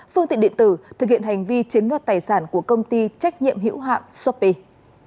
phương tiện điện tử thực hiện hành vi chiếm đoạt tài sản của công ty trách nhiệm hữu hạng shopeing